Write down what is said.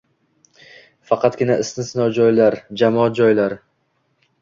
Faqatgina istisno joylar – jamoat joylari.